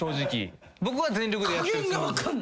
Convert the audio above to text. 僕は全力でやってるつもり。